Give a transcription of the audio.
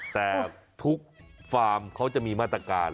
แต่ทุกฟาร์มเขาจะมีมาตรการ